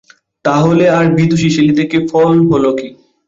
তা হলে আর বিদুষী শ্যালী থেকে ফল হল কী?